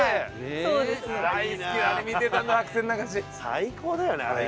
最高だよねあれ。